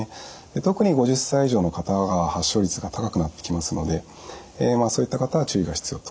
特に５０歳以上の方が発症率が高くなってきますのでそういった方は注意が必要と。